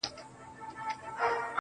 گوره خندا مه كوه مړ به مي كړې.